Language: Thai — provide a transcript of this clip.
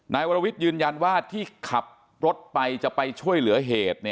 นายวรวิทย์ยืนยันว่าที่ขับรถไปจะไปช่วยเหลือเหตุ